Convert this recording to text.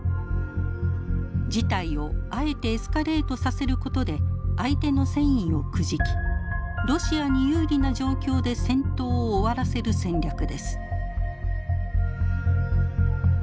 事態をあえてエスカレートさせることで相手の戦意をくじきロシアに有利な状況で戦闘を終わらせる戦略です。